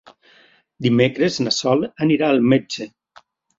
Dimecres na Sol anirà al metge.